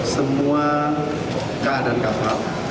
semua keadaan kapal